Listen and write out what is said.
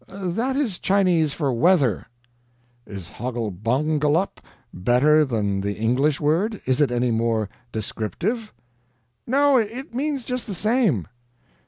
"That is Chinese for 'weather.'" "Is 'HOGGLEBUMGULLUP' better than the English word? Is it any more descriptive?" "No, it means just the same."